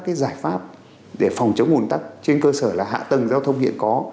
phải có giải pháp để phòng chống nguồn tắc trên cơ sở là hạ tầng giao thông hiện có